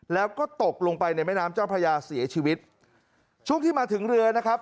แล้วก็ตกลงไปในแม่น้ำเจ้าพระยาเสียชีวิตช่วงที่มาถึงเรือนะครับ